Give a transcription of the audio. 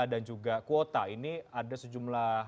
dan juga kuota ini ada sejumlah